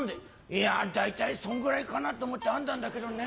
「いや大体そんぐらいかなと思って編んだんだけどね」。